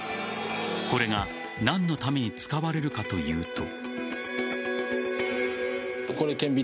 これは何のために使われるかというと。